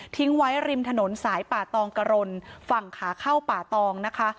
ไว้ริมถนนสายป่าตองกะรนฝั่งขาเข้าป่าตองนะคะ